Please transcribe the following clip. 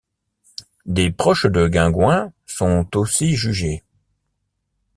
Des proches de Guingouin sont aussi jugés.